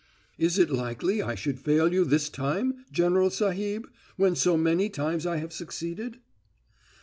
"Is it likely I should fail you this time, General Sahib, when so many times I have succeeded?"